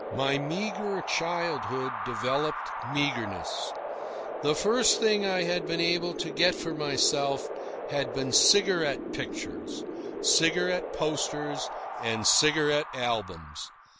My meagre childhood developed meagreness. The first things I had been able to get for myself had been cigarette pictures, cigarette posters, and cigarette albums.